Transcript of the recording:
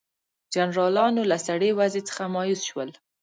جنرالانو له سړې وضع څخه مایوس شول.